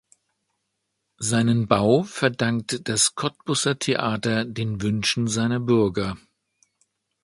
Seinen Bau verdankt das Cottbuser Theater den Wünschen seiner Bürger.